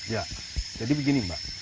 ya jadi begini mbak